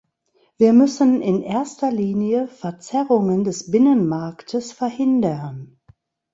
Wir müssen in erster Linie Verzerrungen des Binnenmarktes verhindern.